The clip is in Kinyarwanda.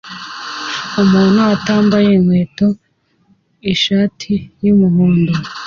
Umuntu utambaye inkweto mu ishati y'umuhondo